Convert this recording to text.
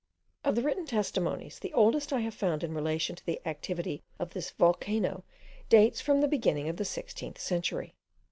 Of all the written testimonies, the oldest I have found in relation to the activity of this volcano dates from the beginning of the sixteenth century.